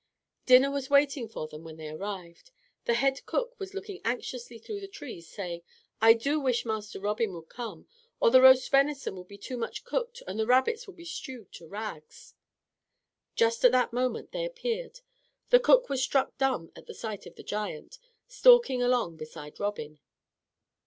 Dinner was waiting for them when they arrived. The head cook was looking anxiously through the trees, saying, "I do wish Master Robin would come, or the roast venison will be too much cooked and the rabbits will be stewed to rags." Just at that moment they appeared. The cook was struck dumb at the sight of the giant, stalking along beside Robin.